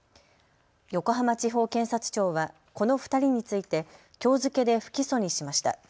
横浜地方検察庁はこの２人について、きょう付けで不起訴にしました。